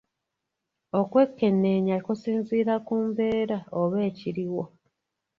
Okwekeneenya kusinziira ku mbeera oba ekiriwo.